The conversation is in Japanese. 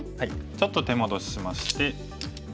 ちょっと手戻ししまして。